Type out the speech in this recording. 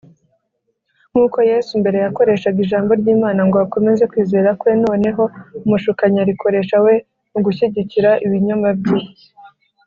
Nkuko Yesu mbere yakoreshaga ijambo ry’Imana ngo akomeze kwizera kwe, noneho umushukanyi arikoresha we mu gushyigikira ibinyoma bye.